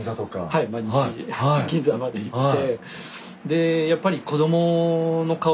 はい毎日銀座まで行って。